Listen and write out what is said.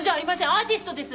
アーティストです！